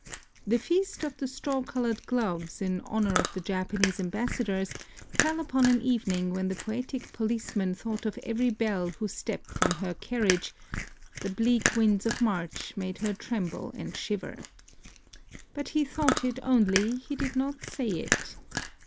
The feast of the straw colored gloves in honor of the Japanese ambassadors fell upon an evening when the poetic policeman thought of every belle who stepped from her carriage, "The bleak winds of March Made her tremble and shiver." But he thought it only; he did not say it.